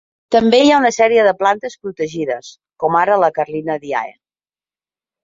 També hi ha una sèrie de plantes protegides, com ara la "Carlina diae".